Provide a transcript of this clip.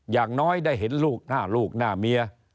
อย่างน้อยได้เห็นลูกหน้าลูกหน้าเมีย